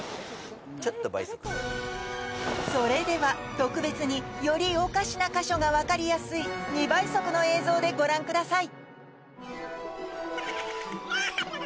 ちょっと倍速それでは特別によりおかしな箇所が分かりやすい２倍速の映像でご覧ください